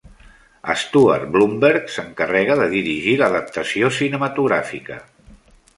Stuart Blumberg s'encarrega de dirigir l'adaptació cinematogràfica.